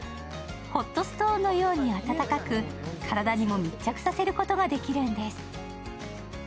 ホットストーンのように暖かく体にも密着させることができるんです。